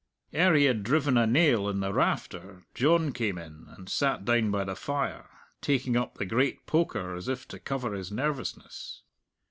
Ere he had driven a nail in the rafter John came in, and sat down by the fire, taking up the great poker, as if to cover his nervousness.